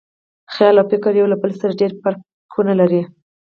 خیال او فکر یو له بل سره ډېر فرقونه لري.